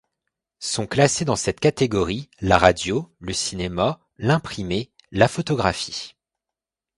Sont classés dans cette catégorie: la radio, le cinéma, l'imprimé, la photographie.